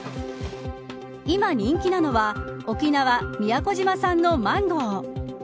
今人気なのは沖縄、宮古島産のマンゴー。